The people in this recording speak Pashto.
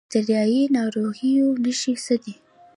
د باکتریایي ناروغیو نښې څه دي؟